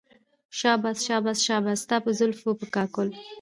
شاباش شاباش شاباش ستا په زلفو په كاكل